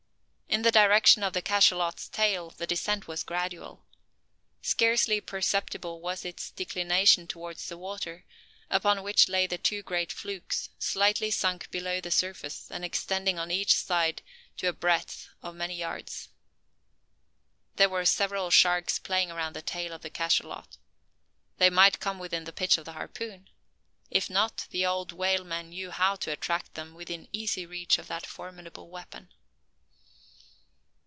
In the direction of the cachalot's tail the descent was gradual. Scarcely perceptible was its declination towards the water, upon which lay the two great flukes, slightly sunk below the surface, and extending on each side to a breadth of many yards. There were several sharks playing around the tail of the cachalot. They might come within the pitch of a harpoon. If not, the old whaleman knew how to attract them within easy reach of that formidable weapon.